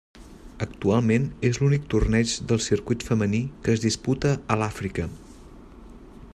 Actualment és l'únic torneig del circuit femení que es disputa a l'Àfrica.